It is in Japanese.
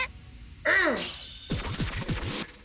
うん！